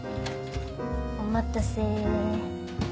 お待たせ。